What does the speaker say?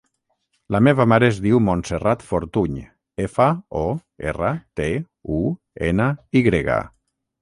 La meva mare es diu Montserrat Fortuny: efa, o, erra, te, u, ena, i grega.